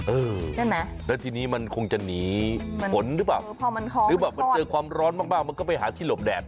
ใช่ไหมแล้วทีนี้มันคงจะหนีฝนหรือเปล่าหรือแบบมันเจอความร้อนมากมันก็ไปหาที่หลบแดด